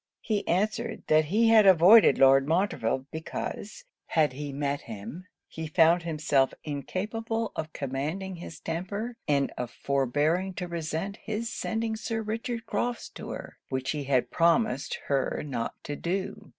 He answered, that he had avoided Lord Montreville, because, had he met him, he found himself incapable of commanding his temper and of forbearing to resent his sending Sir Richard Crofts to her, which he had promised her not to do.